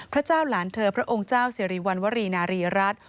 พระเจ้าหลานเธอพระองค์เจ้าสิริวัณวรีนารีรัฐ